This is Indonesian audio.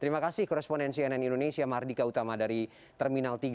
terima kasih koresponen cnn indonesia mardika utama dari terminal tiga